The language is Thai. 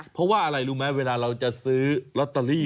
เพราะว่าอะไรรู้ไหมเวลาเราจะซื้อลอตเตอรี่